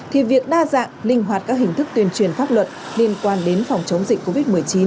thì việc đa dạng linh hoạt các hình thức tuyên truyền pháp luật liên quan đến phòng chống dịch covid một mươi chín